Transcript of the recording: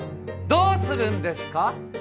どうするんですか？